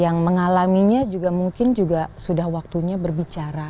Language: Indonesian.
yang mengalaminya juga mungkin juga sudah waktunya berbicara